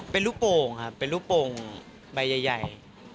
เป็นลูกโป่งครับเป็นลูกโป่งใบใหญ่